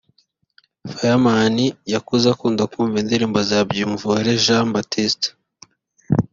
Fireman yakuze akunda kumva indirimbo za Byumvuhore Jean Baptiste